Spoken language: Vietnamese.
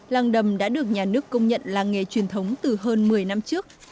làng đầm đã được nhà nước công nhận là nghề truyền thống từ hơn một mươi năm trước